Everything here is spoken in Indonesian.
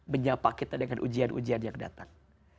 menyapa kita dengan ujian ujian yang datang